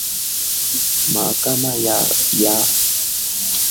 mahakama ya haki za binadamu ilikataa rufaa ya nikola jorgic